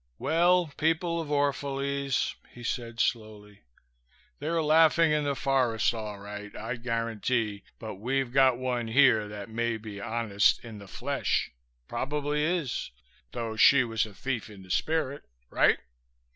"Well, people of Orphalese," he said slowly "they're laughing in the forest all right, I guarantee, but we've got one here that may be honest in the flesh, probably is, though she was a thief in the spirit. Right?